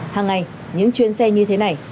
hàng ngày những chuyến xe như thế này